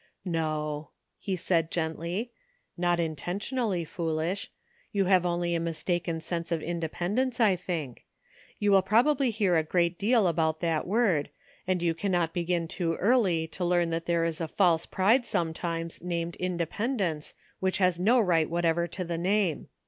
"No," he said gently, "not intentionally foolish ; you have only a mistaken sense of in dependence, I think. You will probably hear a great deal about that word, and you cannot begin too early to learn that there is a false pride sometimes named independence, which has no right whatever to the name.